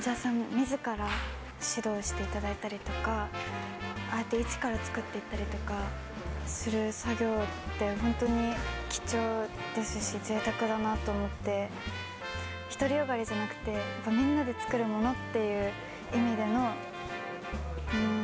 自ら指導していただいたりとかああやって一から作っていったりとかする作業ってホントに貴重ですし贅沢だなと思って独りよがりじゃなくてやっぱみんなで作るものっていう意味でのうん